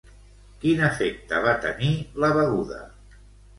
Quin efecte va tenir, la beguda?